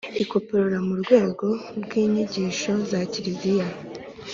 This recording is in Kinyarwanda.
ikoporora mu rwego rw inyigisho za kiliziya